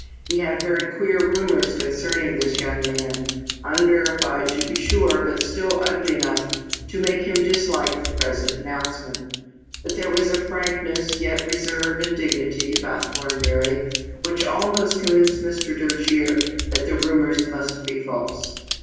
He had heard queer rumors concerning this young man, unver ified to be sure, but still ugly enough to make him dislike the present announcement ; but there was a frankness, yet reserve and dignity, about Thornbury, which almost convinced Mr. Dojere that the rumors must be false.